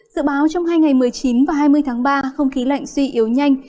dự báo trong hai ngày một mươi chín và hai mươi tháng ba không khí lạnh suy yếu nhanh